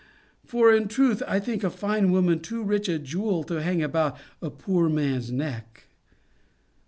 for, in truth, I think a fine woman too rich a jewel to hang about a poor man's neck.